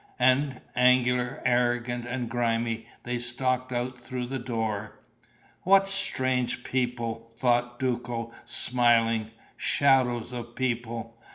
And, angular, arrogant and grimy, they stalked out through the door. "What strange people!" thought Duco, smiling. "Shadows of people!...